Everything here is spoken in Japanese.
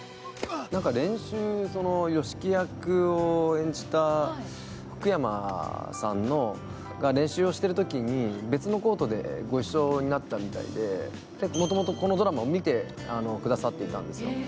練習、吉木役を演じた福山さんが練習をしているときに別のコートで一緒になったみたいでもともとこのドラマを見てくださっていたんですよ。